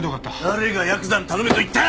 誰がヤクザに頼めと言った！